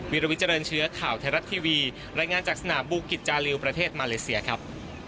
วิลวิเจริญเชื้อข่าวไทยรัฐทีวีรายงานจากสนามบูกิจจาริวประเทศมาเลเซียครับ